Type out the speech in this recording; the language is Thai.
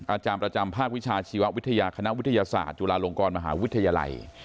อาจารย์ประจำภาควิชาชีววิทยาคณะวิทยาศาสตร์จุฬาลงกรมหาวิทยาลัย